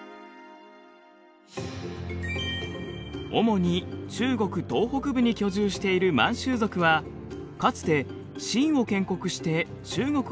主に中国東北部に居住している満州族はかつて清を建国して中国を支配した民族です。